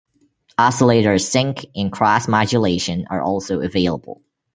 Oscillator sync and cross modulation are also available.